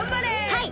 はい！